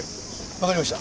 わかりました。